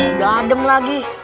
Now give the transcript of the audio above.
udah adem lagi